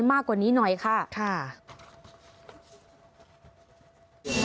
มากกว่านี้หน่อยค่ะค่ะซามหรือคะ